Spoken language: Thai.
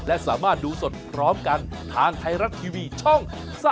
และสามารถดูสดพร้อมกันทางไทยรัฐทีวีช่อง๓๒